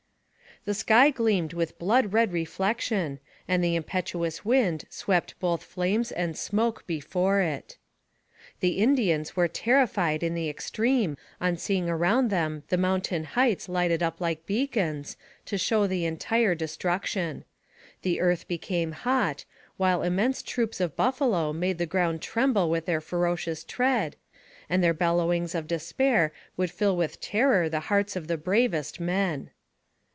The sky gleamed with blood red reflection, and the impetuous wind swept both flames and smoke before it. The Indians were terrified in the extreme on seeing around them the mountain heights lighted up like beacons, to show the entire destruction. The earth became hot, while immense troops of buffalo made the ground tremble with their furious tread, and their bel lowings of despair would fill with terror the hearts of the bravest men.